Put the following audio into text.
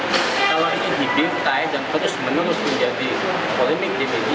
kalau ingin dibintai dan terus menerus menjadi polemik di media